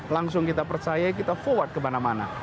langsung kita percaya kita forward kemana mana